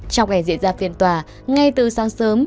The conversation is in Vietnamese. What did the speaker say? trong ngày diễn ra phiên tòa ngay từ sáng sớm